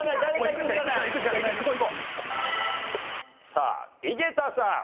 さあ井桁さん。